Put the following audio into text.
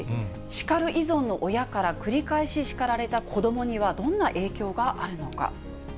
叱る依存の親から繰り返し叱られた子どもには、どんな影響があるのか。